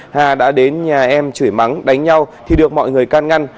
hà đã đến nhà em chửi mắng đánh nhau thì được mọi người can ngăn